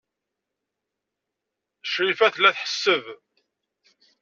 Crifa tella tḥesseb.